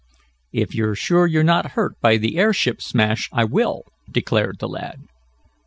"If you're sure you're not hurt by the airship smash, I will," declared the lad.